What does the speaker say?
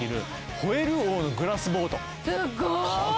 ホエルオーのグラスボート。